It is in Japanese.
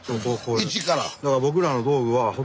一から？